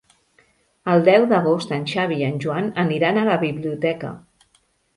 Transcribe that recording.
El deu d'agost en Xavi i en Joan aniran a la biblioteca.